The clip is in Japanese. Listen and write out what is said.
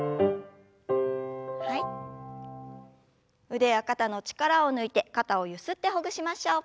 腕や肩の力を抜いて肩をゆすってほぐしましょう。